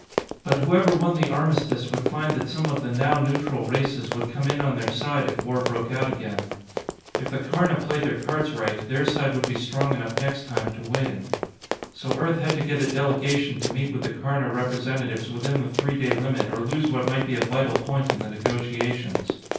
But whoever won the armistice would find that some of the now neutral races would come in on their side if war broke out again. If the Karna played their cards right, their side would be strong enough next time to win. So Earth had to get a delegation to meet with the Karna representatives within the three day limit or lose what might be a vital point in the negotiations.